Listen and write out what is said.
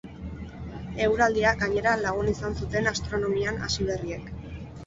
Eguraldia, gainera, lagun izan zuten astronomian hasiberriek.